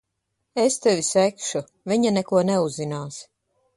Es tevi segšu. Viņa neko neuzzinās.